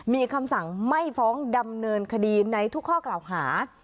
มีคำสั่งไม่ฟ้องดำเนินคดีในทุกข้อกล่าวหา